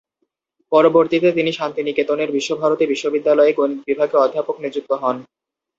পরবর্তীতে তিনি শান্তিনিকেতনের বিশ্বভারতী বিশ্ববিদ্যালয়ে গণিত বিভাগের অধ্যাপক নিযুক্ত হন।